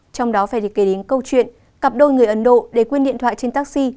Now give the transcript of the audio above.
trong đó phải kể đến câu chuyện cặp đôi người ấn độ để quên điện thoại trên taxi